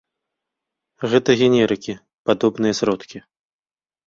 Гэта генерыкі, падобныя сродкі.